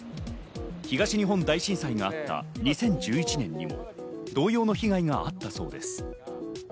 東日本大震災があった２０１１年にも同様の被害があったそうです。